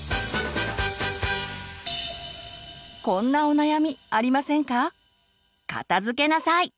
こんなお悩みありませんか？